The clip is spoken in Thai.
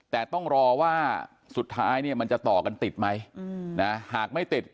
แต่ต้องรอว่าสุดท้ายเนี่ยมันจะต่อกันติดไหมหากไม่ติด